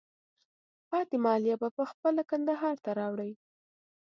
پاتې مالیه په خپله کندهار ته راوړئ.